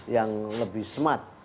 yang lebih smart